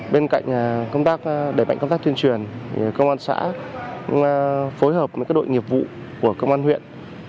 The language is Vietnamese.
bên cạnh đẩy mạnh công tác tuyên truyền công an xã phối hợp với đội nghiệp vụ của công an huyện